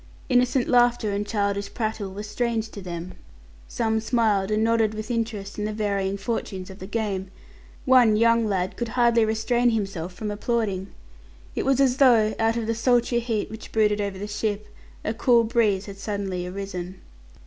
Innocent laughter and childish prattle were strange to them. Some smiled, and nodded with interest in the varying fortunes of the game. One young lad could hardly restrain himself from applauding. It was as though, out of the sultry heat which brooded over the ship, a cool breeze had suddenly arisen.